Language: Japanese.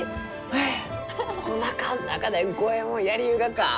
えおなかの中で五右衛門やりゆうがか！